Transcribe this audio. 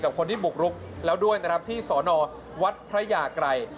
กับคนที่บุกรุกแล้วด้วยที่สนวัตถ์พระยากรัย